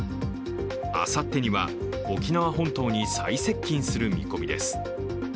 あさってには沖縄本島に最接近する見込みです。